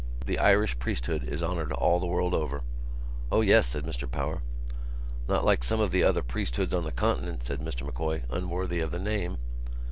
The Irish priesthood is honoured all the world over." "O yes," said Mr Power. "Not like some of the other priesthoods on the continent," said Mr M'Coy, "unworthy of the name."